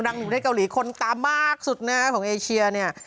อยู่ในเกาหลีคนตามมากสุดนะฮะของเอเชียเนี่ย